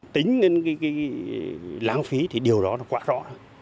tính lên cái lãng phí thì điều đó là quả rõ